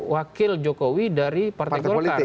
wakil jokowi dari partai golkar